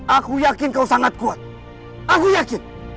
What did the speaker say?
aku yakin kau sangat kuat aku yakin